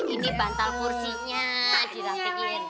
ini bantal kursinya dirapiin